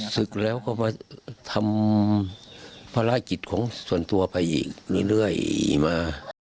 ศึกแล้วก็มาทำภารกิจของส่วนตัวไปอีกเรื่อยมา